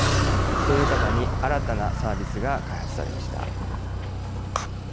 そういう方に新たなサービスが開発されました。